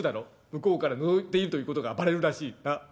向こうからのぞいているということがバレるらしいなっ。